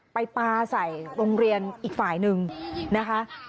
ปลาใส่โรงเรียนอีกฝ่ายหนึ่งนะคะ